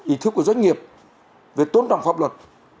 ý thức của doanh nghiệp về tôn trọng pháp luật